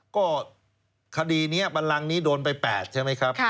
ก็คดีนี้บันลังนี้โดนไป๘ใช่ไหมครับ